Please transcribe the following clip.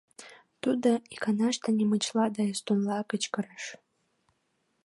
Тудо иканаште немычла да эстонла кычкырыш.